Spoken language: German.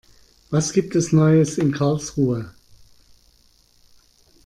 Was gibt es Neues in Karlsruhe?